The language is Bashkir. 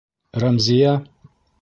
Рәмзиә?